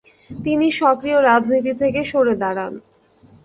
তিনি সক্রিয় রাজনীতি থেকে সরে দাঁড়ান।